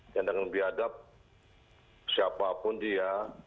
tindakan biadab siapapun dia